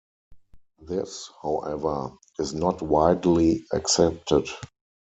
This, however, is not widely accepted.